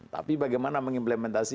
tapi bagaimana mengimplementasi